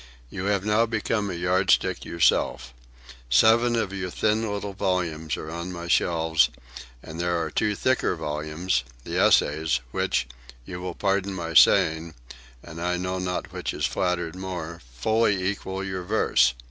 You have now become a yardstick yourself. Seven of your thin little volumes are on my shelves; and there are two thicker volumes, the essays, which, you will pardon my saying, and I know not which is flattered more, fully equal your verse.